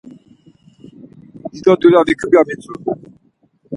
Dido dulya vikum ya mitzu.